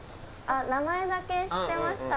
名前だけ知ってました。